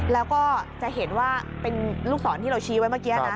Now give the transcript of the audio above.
แล้วก็จะเห็นว่าเป็นลูกศรที่เราชี้ไว้เมื่อกี้นะ